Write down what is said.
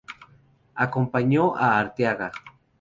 Acompañó a Arteaga.